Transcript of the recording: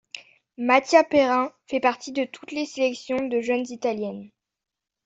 Mattia Perin fait partie de toutes les sélections de jeunes italiennes.